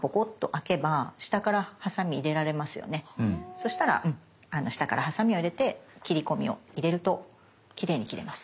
そしたら下からハサミを入れて切り込みを入れるときれいに切れます。